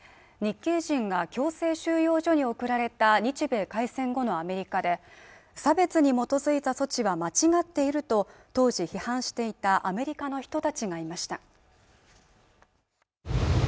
日系人が強制収容所に送られた日米開戦後のアメリカで差別に基づいた措置は間違っていると当時批判していたアメリカの人たちがいました